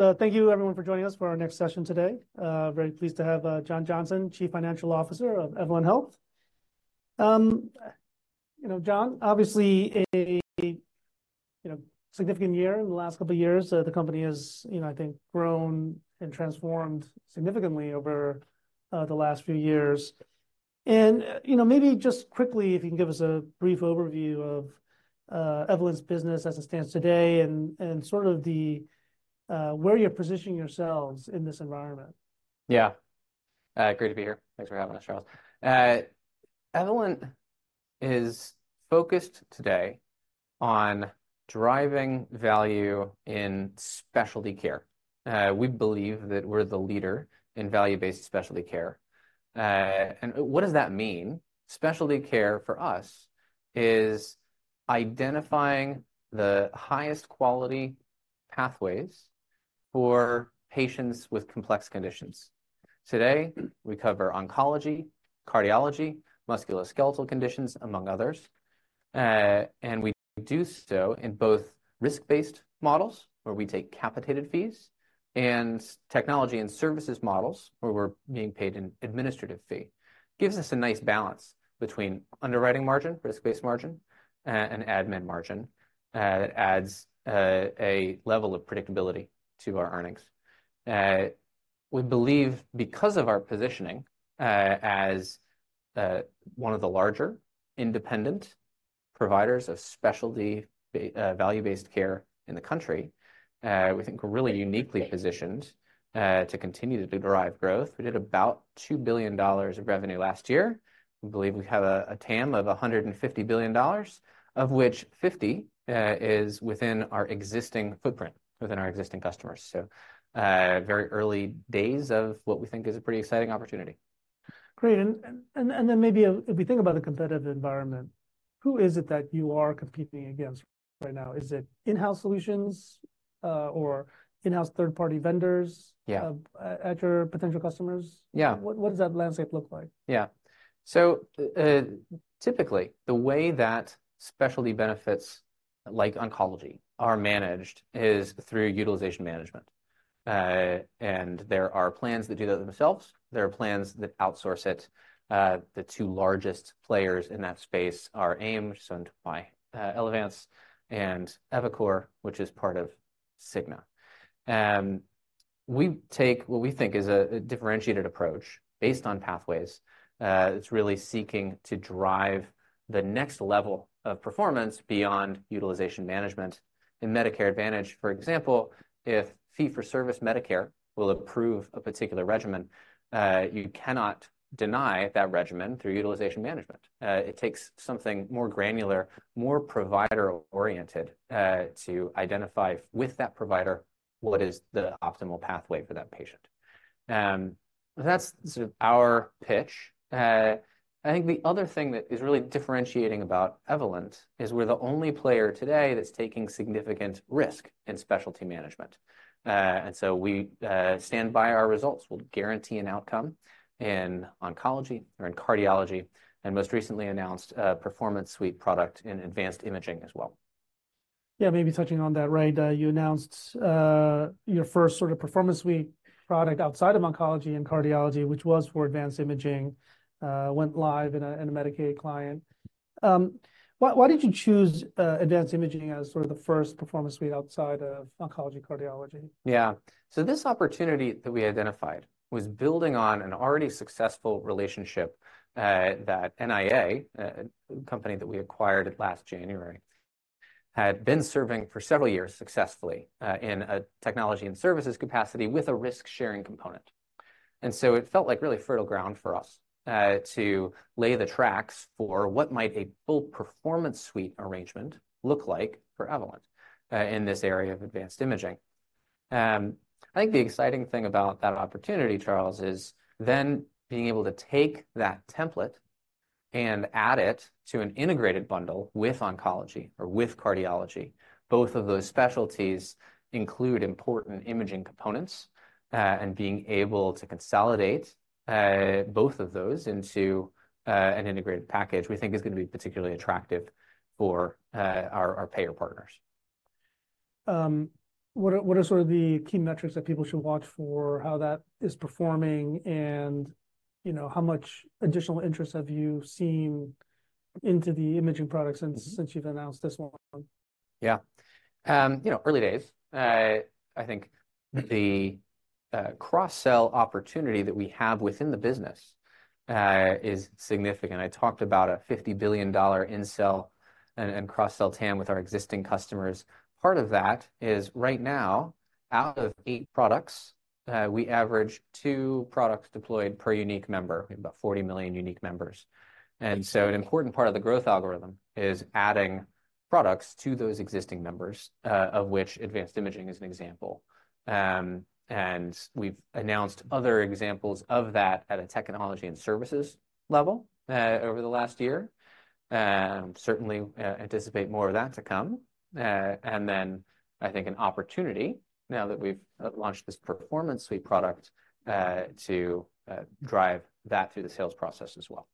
So thank you everyone for joining us for our next session today. Very pleased to have John Johnson, Chief Financial Officer of Evolent Health. You know, John, obviously a significant year in the last couple of years. The company has, you know, I think, grown and transformed significantly over the last few years. You know, maybe just quickly, if you can give us a brief overview of Evolent's business as it stands today, and sort of the where you're positioning yourselves in this environment. Yeah. Great to be here. Thanks for having us, Charles. Evolent is focused today on driving value in specialty care. We believe that we're the leader in value-based specialty care. And what does that mean? Specialty care, for us, is identifying the highest quality pathways for patients with complex conditions. Today, we cover oncology, cardiology, musculoskeletal conditions, among others. And we do so in both risk-based models, where we take capitated fees, and Technology and Services models, where we're being paid an administrative fee. Gives us a nice balance between underwriting margin, risk-based margin, and admin margin. It adds a level of predictability to our earnings. We believe because of our positioning, as one of the larger independent providers of specialty value-based care in the country, we think we're really uniquely positioned to continue to derive growth. We did about $2 billion of revenue last year. We believe we have a TAM of $150 billion, of which $50 billion is within our existing footprint, within our existing customers. So, very early days of what we think is a pretty exciting opportunity. Great! Then maybe if we think about the competitive environment, who is it that you are competing against right now? Is it in-house solutions, or in-house third-party vendors? Yeah At your potential customers? Yeah. What does that landscape look like? Yeah. So, typically, the way that specialty benefits, like oncology, are managed is through utilization management. There are plans that do that themselves. There are plans that outsource it. The two largest players in that space are AIM, which is owned by Elevance, and eviCore, which is part of Cigna. We take what we think is a differentiated approach based on pathways. It's really seeking to drive the next level of performance beyond utilization management. In Medicare Advantage, for example, if fee-for-service Medicare will approve a particular regimen, you cannot deny that regimen through utilization management. It takes something more granular, more provider-oriented, to identify with that provider what is the optimal pathway for that patient. That's sort of our pitch. I think the other thing that is really differentiating about Evolent is we're the only player today that's taking significant risk in specialty management. And so we stand by our results. We'll guarantee an outcome in oncology or in cardiology, and most recently announced a Performance Suite product in advanced imaging as well. Yeah, maybe touching on that, right, you announced your first sort of Performance Suite product outside of oncology and cardiology, which was for advanced imaging, went live in a, in a Medicaid client. Why, why did you choose advanced imaging as sort of the first Performance Suite outside of oncology, cardiology? Yeah. So this opportunity that we identified was building on an already successful relationship that NIA, a company that we acquired last January, had been serving for several years successfully in a Technology and Services capacity with a risk-sharing component. So it felt like really fertile ground for us to lay the tracks for what might a full Performance Suite arrangement look like for Evolent in this area of advanced imaging. I think the exciting thing about that opportunity, Charles, is then being able to take that template and add it to an integrated bundle with oncology or with cardiology. Both of those specialties include important imaging components, and being able to consolidate both of those into an integrated package we think is going to be particularly attractive for our payer partners. What are sort of the key metrics that people should watch for, how that is performing, and, you know, how much additional interest have you seen into the imaging products since you've announced this one? Yeah. You know, early days, I think the cross-sell opportunity that we have within the business is significant. I talked about a $50 billion in-sell and cross-sell TAM with our existing customers. Part of that is, right now, out of eight products, we average two products deployed per unique member. We have about 40 million unique members. And so an important part of the growth algorithm is adding products to those existing members, of which advanced imaging is an example. And we've announced other examples of that at a Technology and Services level over the last year, and certainly anticipate more of that to come. And then I think an opportunity, now that we've launched this Performance Suite product, to drive that through the sales process as well.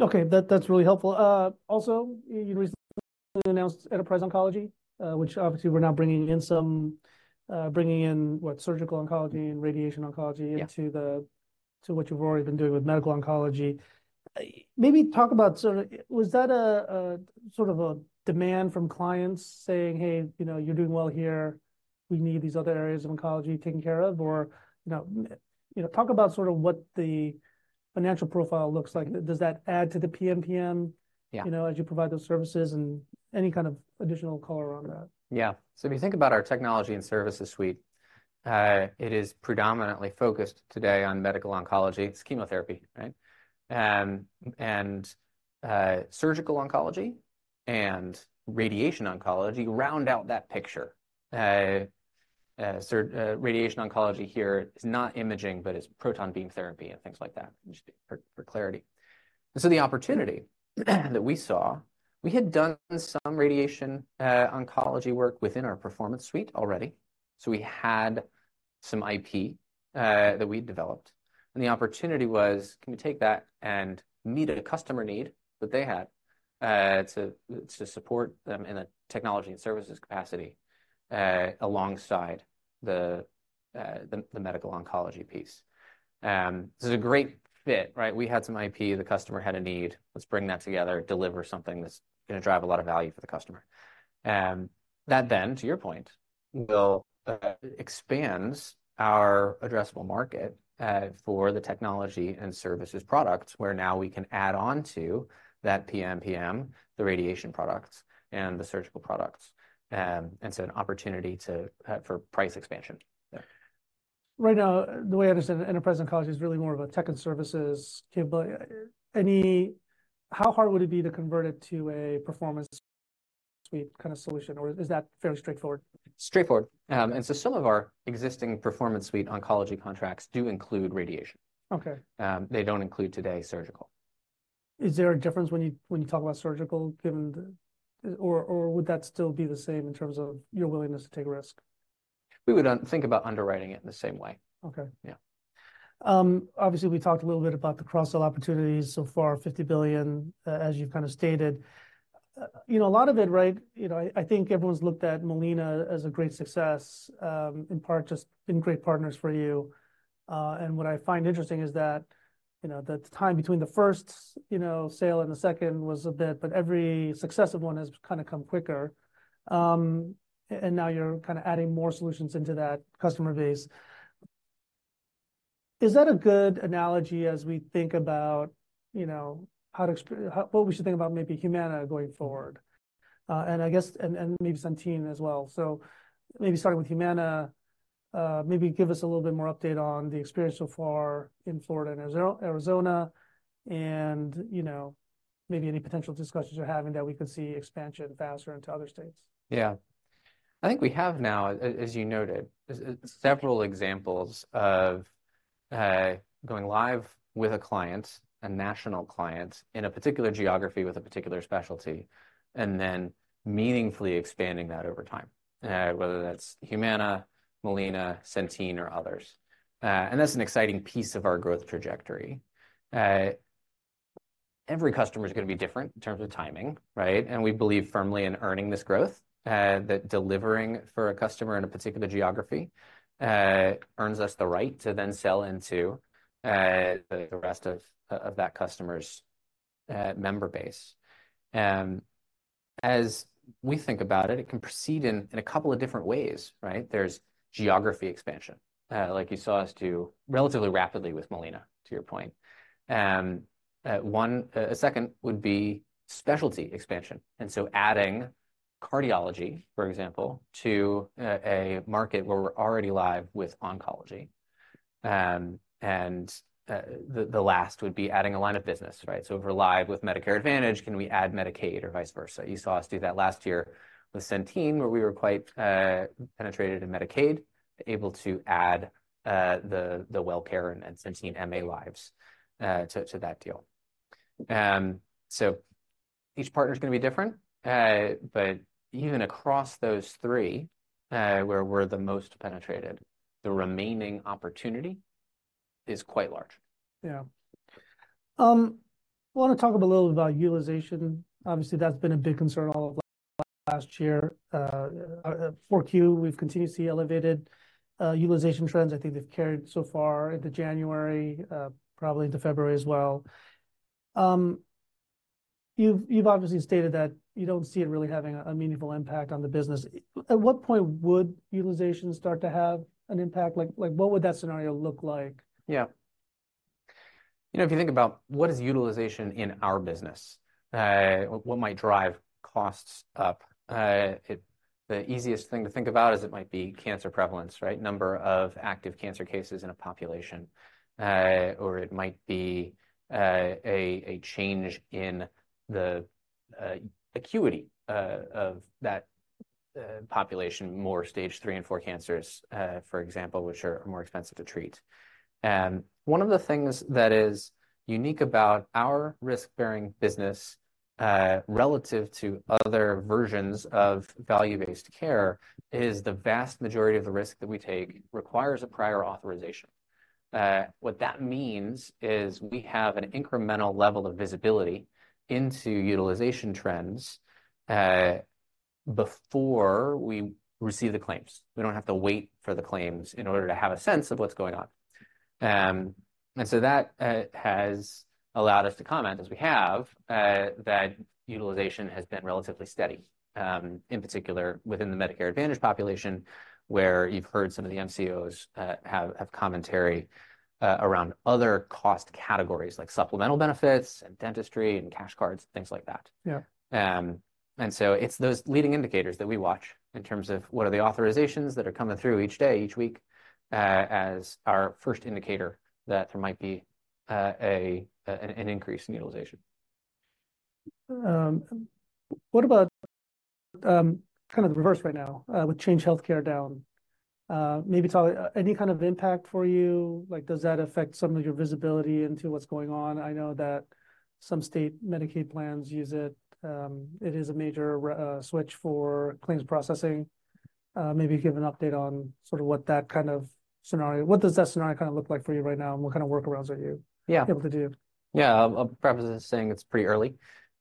Okay, that's really helpful. Also, you recently announced Enterprise Oncology, which obviously we're now bringing in, what, surgical oncology and radiation oncology. Yeah. Into the, to what you've already been doing with medical oncology. Maybe talk about sort of, was that a, a sort of a demand from clients saying, "Hey, you know, you're doing well here. We need these other areas of oncology taken care of?" Or, you know, you know, talk about sort of what the financial profile looks like. Does that add to the PMPM? Yeah. You know, as you provide those services, and any kind of additional color on that. Yeah. So if you think about our Technology and Services Suite, it is predominantly focused today on medical oncology. It's chemotherapy, right? And surgical oncology and radiation oncology round out that picture. So radiation oncology here is not imaging, but it's proton beam therapy and things like that, just for clarity. And so the opportunity that we saw, we had done some radiation oncology work within our Performance Suite already. So we had some IP that we'd developed, and the opportunity was: can we take that and meet a customer need that they had to support them in a Technology and Services capacity alongside the medical oncology piece? This is a great fit, right? We had some IP, the customer had a need. Let's bring that together, deliver something that's going to drive a lot of value for the customer. That then, to your point, will expands our addressable market, for the Technology and Services product, where now we can add on to that PMPM, the radiation products and the surgical products. And so an opportunity to, for price expansion. Yeah. Right now, the way I understand it, Enterprise Oncology is really more of a tech and services capability. How hard would it be to convert it to a Performance Suite kind of solution, or is that fairly straightforward? Straightforward. And so some of our existing Performance Suite oncology contracts do include radiation. Okay. They don't include, today, surgical. Is there a difference when you talk about surgical, given the. Or would that still be the same in terms of your willingness to take a risk? We would rethink about underwriting it in the same way. Okay. Yeah. Obviously, we talked a little bit about the cross-sell opportunities. So far, $50 billion, as you've kind of stated. You know, a lot of it, right, you know, I, I think everyone's looked at Molina as a great success, in part just been great partners for you. And what I find interesting is that, you know, the time between the first, you know, sale and the second was a bit, but every successive one has kind of come quicker. And now you're kind of adding more solutions into that customer base. Is that a good analogy as we think about, you know, how, what we should think about maybe Humana going forward? And I guess, and, and maybe Centene as well. Maybe starting with Humana, maybe give us a little bit more update on the experience so far in Florida and Arizona and, you know, maybe any potential discussions you're having that we could see expansion faster into other states. Yeah. I think we have now, as you noted, several examples of going live with a client, a national client, in a particular geography with a particular specialty, and then meaningfully expanding that over time, whether that's Humana, Molina, Centene, or others. And that's an exciting piece of our growth trajectory. Every customer is going to be different in terms of timing, right? And we believe firmly in earning this growth, that delivering for a customer in a particular geography earns us the right to then sell into the rest of that customer's member base. As we think about it, it can proceed in a couple of different ways, right? There's geography expansion, like you saw us do relatively rapidly with Molina, to your point. One, a second would be specialty expansion, and so adding cardiology, for example, to a market where we're already live with oncology. The last would be adding a line of business, right? So if we're live with Medicare Advantage, can we add Medicaid or vice versa? You saw us do that last year with Centene, where we were quite penetrated in Medicaid, able to add the WellCare and Centene MA lives to that deal. So each partner's going to be different, but even across those three, where we're the most penetrated, the remaining opportunity is quite large. Yeah. I want to talk a little about utilization. Obviously, that's been a big concern all of last year. 4Q, we've continued to see elevated, utilization trends. I think they've carried so far into January, probably into February as well. You've, you've obviously stated that you don't see it really having a, a meaningful impact on the business. At what point would utilization start to have an impact? Like, what would that scenario look like? Yeah. You know, if you think about what is utilization in our business, what might drive costs up? The easiest thing to think about is it might be cancer prevalence, right? Number of active cancer cases in a population, or it might be, a change in the acuity of that population, more Stage III and IV cancers, for example, which are more expensive to treat. One of the things that is unique about our risk-bearing business, relative to other versions of value-based care, is the vast majority of the risk that we take requires a prior authorization. What that means is we have an incremental level of visibility into utilization trends, before we receive the claims. We don't have to wait for the claims in order to have a sense of what's going on. And so that has allowed us to comment, as we have, that utilization has been relatively steady, in particular, within the Medicare Advantage population, where you've heard some of the MCOs have commentary around other cost categories like supplemental benefits and dentistry and cash cards, things like that. Yeah. So it's those leading indicators that we watch in terms of what are the authorizations that are coming through each day, each week, as our first indicator that there might be an increase in utilization. What about kind of the reverse right now with Change Healthcare down? Maybe talk any kind of impact for you? Like, does that affect some of your visibility into what's going on? I know that some state Medicaid plans use it. It is a major switch for claims processing. Maybe give an update on sort of what that kind of scenario—what does that scenario kind of look like for you right now, and what kind of workarounds are you. Yeah. Able to do? Yeah. I'll preface this saying it's pretty early,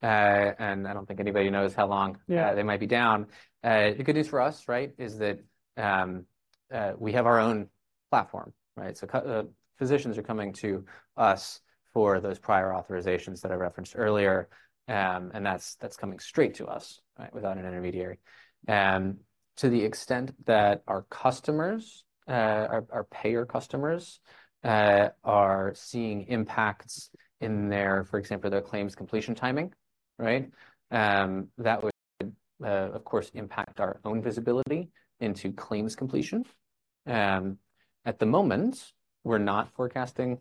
and I don't think anybody knows how long. Yeah. They might be down. The good news for us, right, is that we have our own platform, right? So physicians are coming to us for those prior authorizations that I referenced earlier, and that's coming straight to us, right, without an intermediary. To the extent that our customers, our payer customers, are seeing impacts in their, for example, their claims completion timing, right? That would, of course, impact our own visibility into claims completion. At the moment, we're not forecasting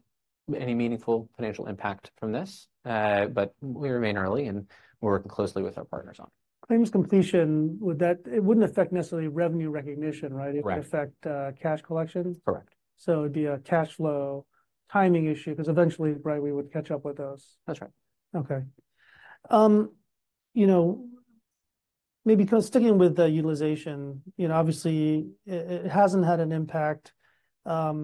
any meaningful financial impact from this, but we remain early, and we're working closely with our partners on it. Claims completion, would that. It wouldn't affect necessarily revenue recognition, right? Right. It would affect cash collection. Correct. It would be a cash flow timing issue, 'cause eventually, right, we would catch up with those. That's right. Okay. You know, maybe kind of sticking with the utilization, you know, obviously, it, it hasn't had an impact, you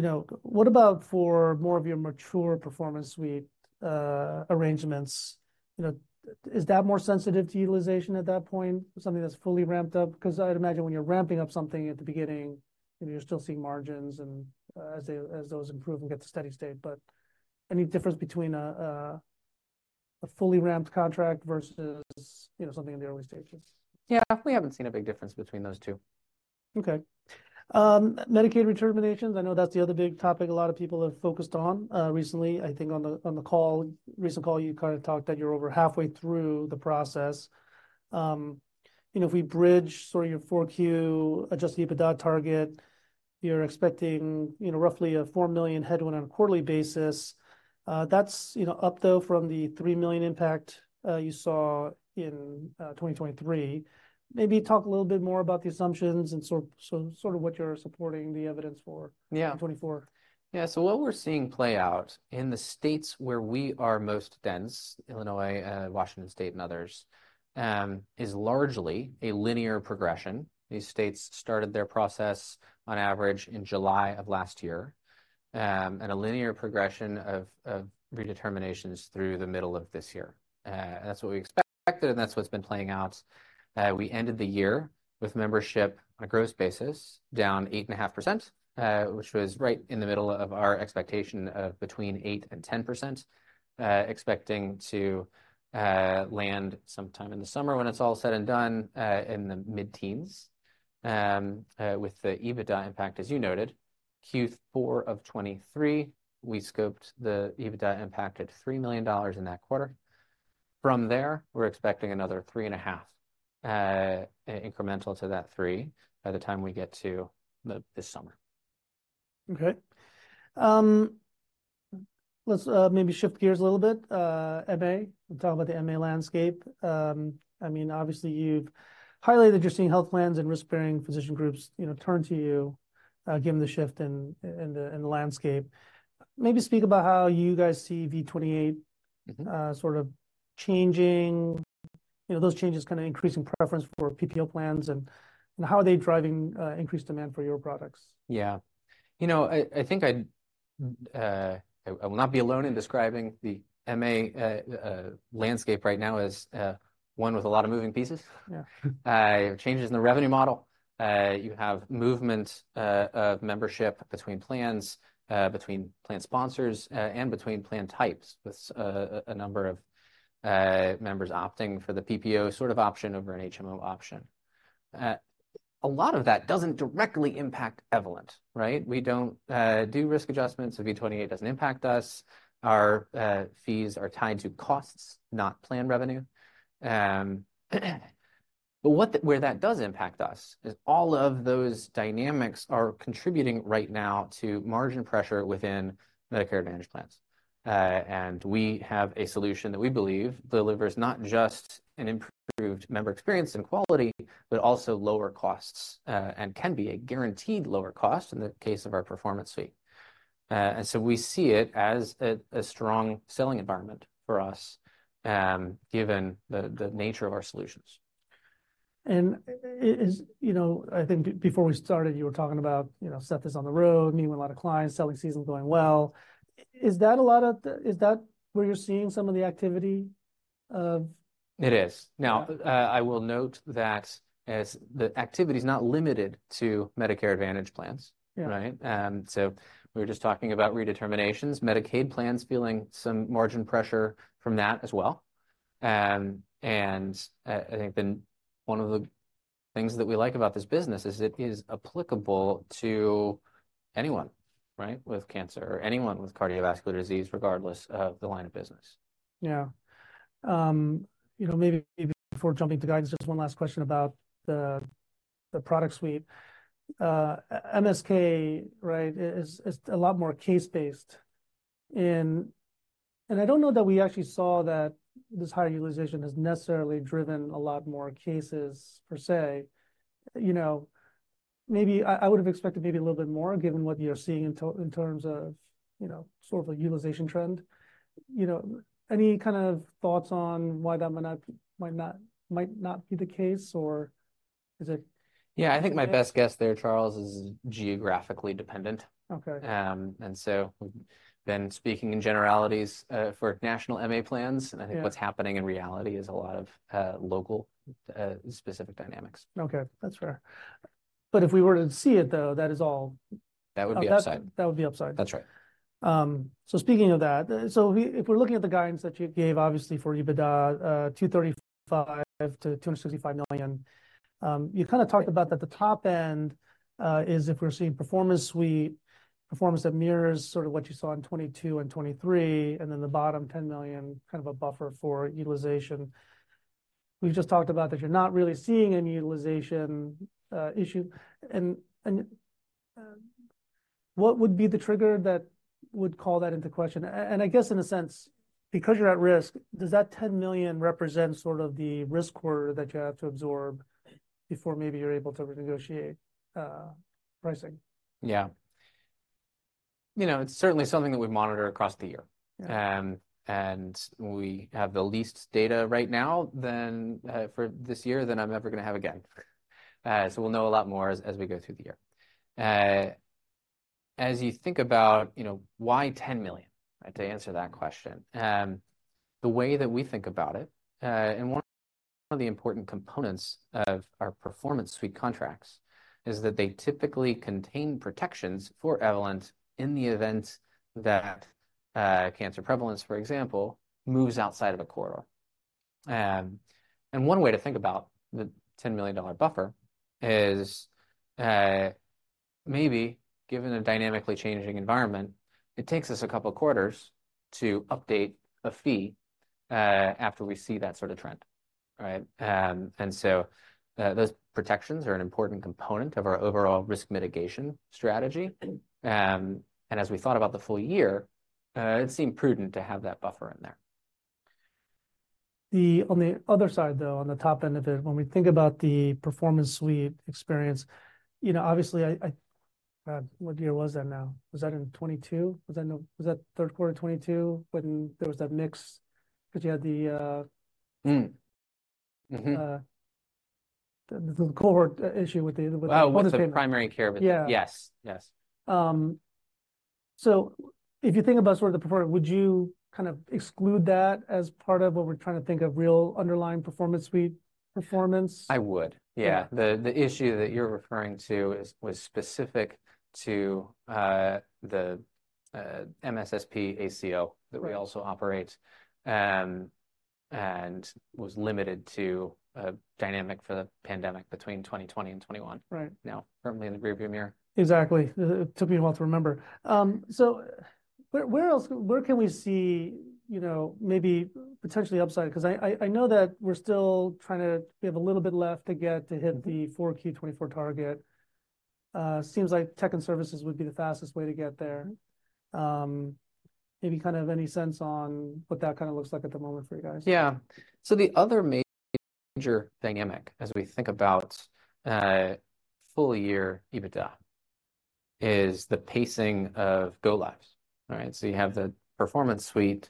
know. What about for more of your mature Performance Suite, arrangements, you know, is that more sensitive to utilization at that point, something that's fully ramped up? 'Cause I'd imagine when you're ramping up something at the beginning, and you're still seeing margins and, as they, as those improve and get to steady state. But any difference between a fully ramped contract versus, you know, something in the early stages? Yeah, we haven't seen a big difference between those two. Okay. Medicaid redeterminations, I know that's the other big topic a lot of people have focused on, recently. I think on the recent call, you kind of talked that you're over halfway through the process. You know, if we bridge sort of your 4Q Adjusted EBITDA target, you're expecting, you know, roughly a $4 million headwind on a quarterly basis. That's, you know, up, though, from the $3 million impact you saw in 2023. Maybe talk a little bit more about the assumptions and so sort of what you're supporting the evidence for. Yeah. In 2024. Yeah, so what we're seeing play out in the states where we are most dense, Illinois, Washington State, and others, is largely a linear progression. These states started their process on average in July of last year, and a linear progression of redeterminations through the middle of this year. That's what we expected, and that's what's been playing out. We ended the year with membership on a gross basis, down 8.5%, which was right in the middle of our expectation of between 8% and 10%. Expecting to land sometime in the summer when it's all said and done, in the mid-teens. With the EBITDA impact, as you noted, Q4 of 2023, we scoped the EBITDA impact at $3 million in that quarter. From there, we're expecting another 3.5 incremental to that three by the time we get to this summer. Okay. Let's maybe shift gears a little bit. MA, we'll talk about the MA landscape. I mean, obviously, you've highlighted that you're seeing health plans and risk-bearing physician groups, you know, turn to you, given the shift in the landscape. Maybe speak about how you guys see V28. Mm-hmm. Sort of changing, you know, those changes kind of increasing preference for PPO plans and how are they driving increased demand for your products? Yeah. You know, I think I will not be alone in describing the MA landscape right now as one with a lot of moving pieces. Yeah. Changes in the revenue model. You have movement of membership between plans, between plan sponsors, and between plan types, with a number of members opting for the PPO sort of option over an HMO option. A lot of that doesn't directly impact Evolent, right? We don't do risk adjustments, so V28 doesn't impact us. Our fees are tied to costs, not plan revenue. But where that does impact us is all of those dynamics are contributing right now to margin pressure within Medicare Advantage plans. And we have a solution that we believe delivers not just an improved member experience and quality, but also lower costs, and can be a guaranteed lower cost in the case of our performance fee. And so we see it as a strong selling environment for us, given the nature of our solutions. Is, you know, I think before we started, you were talking about, you know, Seth is on the road, meeting with a lot of clients, selling season's going well. Is that a lot of the. Is that where you're seeing some of the activity of. It is. Yeah. Now, I will note that as the activity is not limited to Medicare Advantage plans. Yeah. Right? So we were just talking about redeterminations, Medicaid plans feeling some margin pressure from that as well. I think then one of the things that we like about this business is it is applicable to anyone, right, with cancer or anyone with cardiovascular disease, regardless of the line of business. Yeah. You know, maybe before jumping to guidance, just one last question about the product suite. MSK, right, is a lot more case-based, and I don't know that we actually saw that this higher utilization has necessarily driven a lot more cases per se. You know, maybe I would have expected maybe a little bit more, given what you're seeing in terms of, you know, sort of a utilization trend. You know, any kind of thoughts on why that might not be the case, or is it? Yeah, I think my best guess there, Charles, is geographically dependent. Okay. Speaking in generalities, for national MA plans. Yeah. I think what's happening in reality is a lot of local, specific dynamics. Okay, that's fair. But if we were to see it, though, that is all. That would be upside. That would be upside. That's right. So speaking of that, so if we're looking at the guidance that you gave, obviously, for EBITDA, $235 million-$265 million, you kind of talked about that the top end is if we're seeing Performance Suite performance that mirrors sort of what you saw in 2022 and 2023, and then the bottom $10 million, kind of a buffer for utilization. We've just talked about that you're not really seeing any utilization issue, and what would be the trigger that would call that into question? And I guess in a sense, because you're at risk, does that $10 million represent sort of the risk corridor that you have to absorb before maybe you're able to renegotiate pricing? Yeah. You know, it's certainly something that we monitor across the year. Yeah. And we have the least data right now than for this year than I'm ever going to have again. So we'll know a lot more as we go through the year. As you think about, you know, why $10 million? To answer that question, the way that we think about it, and one of the important components of our Performance Suite contracts is that they typically contain protections for Evolent in the event that cancer prevalence, for example, moves outside of a corridor. And one way to think about the $10 million buffer is, maybe given a dynamically changing environment, it takes us a couple of quarters to update a fee after we see that sort of trend, right? And so, those protections are an important component of our overall risk mitigation strategy. As we thought about the full year, it seemed prudent to have that buffer in there. On the other side, though, on the top end of it, when we think about the Performance Suite experience, you know, obviously, what year was that now? Was that in 2022? Was that third quarter 2022, when there was that mix, because you had the Mm. Mm-hmm. The cohort issue with the. Oh, with the primary care. Yeah. Yes, yes. So if you think about sort of the performance, would you kind of exclude that as part of what we're trying to think of real underlying Performance Suite performance? I would, yeah. Okay. The issue that you're referring to is specific to the MSSP ACO. Right That we also operate, and was limited to a dynamic for the pandemic between 2020 and 2021. Right. Now, firmly in the rearview mirror. Exactly. It took me a while to remember. So where else can we see, you know, maybe potentially upside? Because I know that we're still trying to. We have a little bit left to get to hit the. Mm-hmm. Q4 2024 target. Seems like tech and services would be the fastest way to get there. Maybe kind of any sense on what that kind of looks like at the moment for you guys? Yeah. So the other major dynamic, as we think about full year EBITDA, is the pacing of go lives, right? So you have the Performance Suite,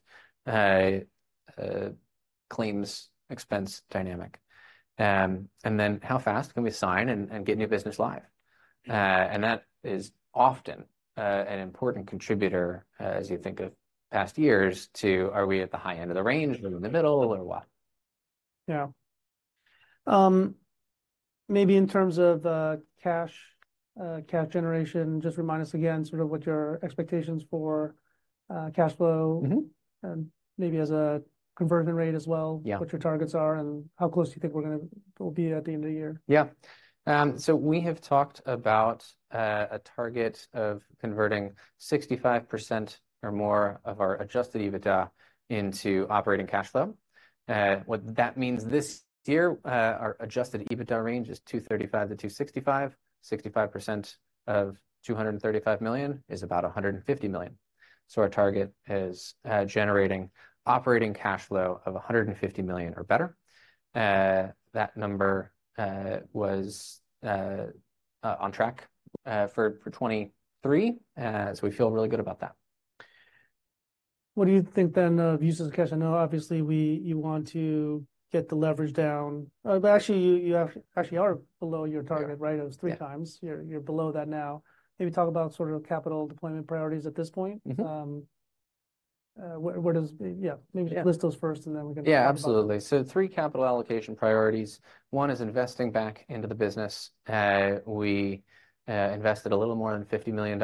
claims expense dynamic, and then how fast can we sign and get new business live? And that is often an important contributor, as you think of past years, to are we at the high end of the range, or in the middle, or what? Yeah. Maybe in terms of cash generation, just remind us again sort of what your expectations for cash flow. Mm-hmm. And maybe as a conversion rate as well- Yeah. What your targets are, and how close do you think we're going to, we'll be at the end of the year? Yeah. So we have talked about a target of converting 65% or more of our adjusted EBITDA into operating cash flow. What that means this year, our adjusted EBITDA range is $235 million-$265 million. 65% of $235 million is about $150 million. So our target is generating operating cash flow of $150 million or better. That number was on track for 2023, so we feel really good about that. What do you think then of use of the cash? I know obviously we, you want to get the leverage down. But actually, you actually are below your target, right? Yeah. It was 3x. Yeah. You're below that now. Maybe talk about sort of capital deployment priorities at this point. Mm-hmm. Where does. Yeah, maybe. Yeah. List those first, and then we can. Yeah, absolutely. So three capital allocation priorities. One is investing back into the business. We invested a little more than $50 million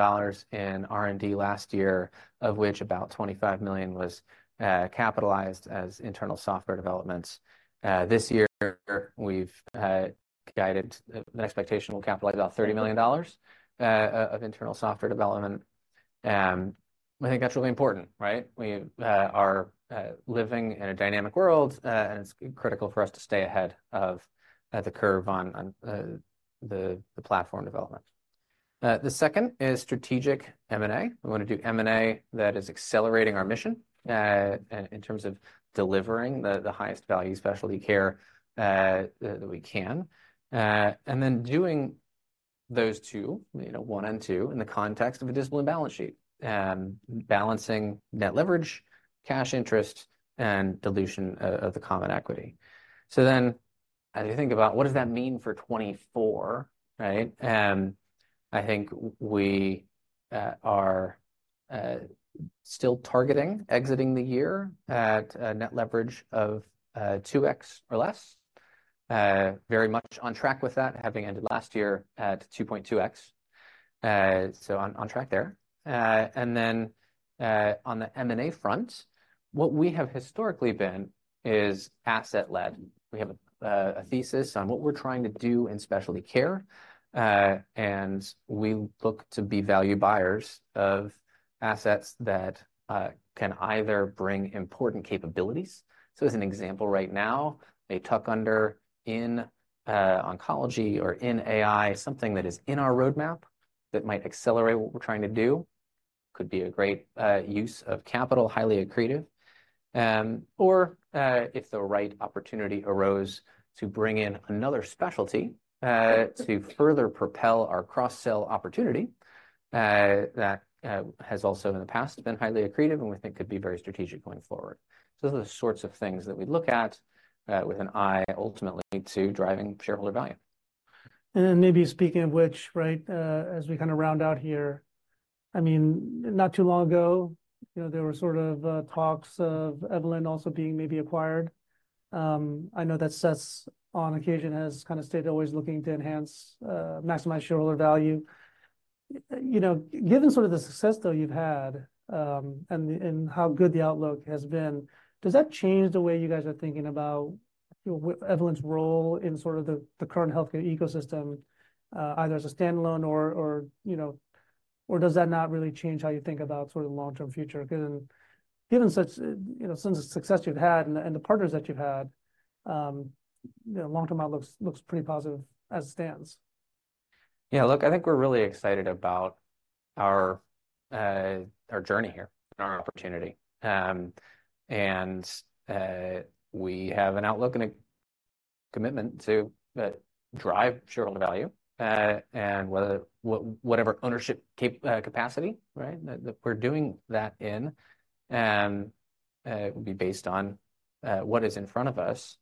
in R&D last year, of which about $25 million was capitalized as internal software developments. This year, we've guided an expectation we'll capitalize about $30 million of internal software development. I think that's really important, right? We are living in a dynamic world, and it's critical for us to stay ahead of the curve on the platform development. The second is strategic M&A. We want to do M&A that is accelerating our mission in terms of delivering the highest value specialty care that we can. And then doing those two, you know, one and two, in the context of a disciplined balance sheet. Balancing net leverage, cash interest, and dilution of the common equity. So then as you think about what does that mean for 2024, right? I think we are still targeting exiting the year at a net leverage of 2x or less. Very much on track with that, having ended last year at 2.2x. So on track there. And then, on the M&A front, what we have historically been is asset-led. We have a thesis on what we're trying to do in specialty care, and we look to be value buyers of assets that can either bring important capabilities. So as an example right now, a tuck under in oncology or in AI, something that is in our roadmap that might accelerate what we're trying to do, could be a great use of capital, highly accretive. Or, if the right opportunity arose, to bring in another specialty to further propel our cross-sell opportunity, that has also in the past been highly accretive and we think could be very strategic going forward. So those are the sorts of things that we look at with an eye ultimately to driving shareholder value. And then maybe speaking of which, right, as we kind of round out here, I mean, not too long ago, you know, there were sort of talks of Evolent also being maybe acquired. I know that Seth, on occasion, has kind of stated, always looking to enhance, maximize shareholder value. You know, given sort of the success, though, you've had, and, and how good the outlook has been, does that change the way you guys are thinking about, you know, Evolent's role in sort of the, the current healthcare ecosystem, either as a standalone or, or, you know. Or does that not really change how you think about sort of the long-term future? Because given such, you know, sense of success you've had and, and the partners that you've had, you know, long-term outlooks looks pretty positive as it stands. Yeah, look, I think we're really excited about our journey here and our opportunity. And we have an outlook and a commitment to drive shareholder value, and whatever ownership capacity, right, that we're doing that in will be based on what is in front of us.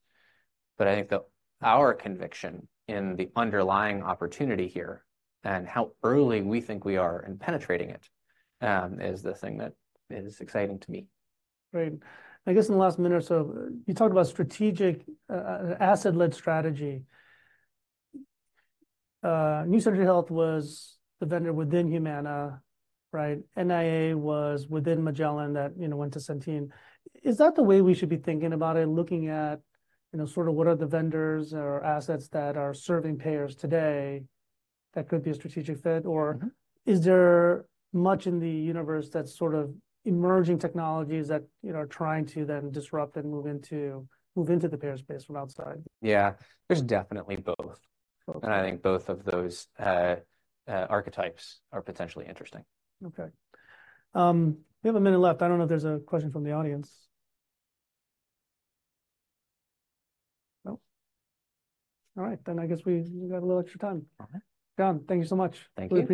But I think that our conviction in the underlying opportunity here and how early we think we are in penetrating it is the thing that is exciting to me. Great. I guess in the last minute or so, you talked about strategic asset-led strategy. New Century Health was the vendor within Humana, right? NIA was within Magellan that, you know, went to Centene. Is that the way we should be thinking about it, looking at, you know, sort of what are the vendors or assets that are serving payers today that could be a strategic fit? Mm-hmm. Or is there much in the universe that's sort of emerging technologies that, you know, are trying to then disrupt and move into, move into the payer space from outside? Yeah, there's definitely both. Both. And I think both of those archetypes are potentially interesting. Okay. We have a minute left. I don't know if there's a question from the audience. No? All right, then I guess we have a little extra time. Okay. John, thank you so much. Thank you. Really appreciate.